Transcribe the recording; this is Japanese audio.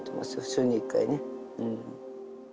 週に１回ねうん。